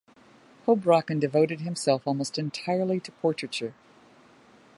Houbraken devoted himself almost entirely to portraiture.